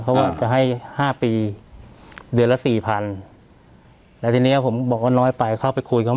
เพราะว่าจะให้ห้าปีเดือนละสี่พันแล้วทีเนี้ยผมบอกว่าน้อยไปเข้าไปคุยเขา